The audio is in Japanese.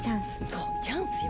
そうチャンスよ！